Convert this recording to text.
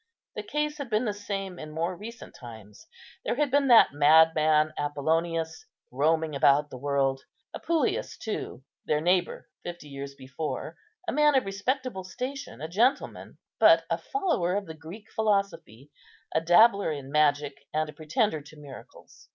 The case had been the same in more recent times. There had been that madman, Apollonius, roaming about the world; Apuleius, too, their neighbour, fifty years before, a man of respectable station, a gentleman, but a follower of the Greek philosophy, a dabbler in magic, and a pretender to miracles.